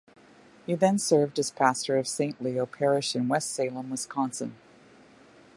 He then served as pastor of Saint Leo Parish in West Salem, Wisconsin.